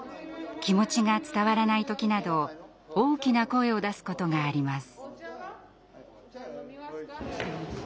気持ちが伝わらない時など大きな声を出すことがあります。